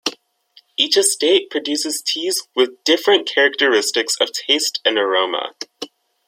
Each estate produces teas with different characteristics of taste and aroma.